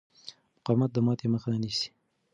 مقاومت د ماتې مخه نیسي.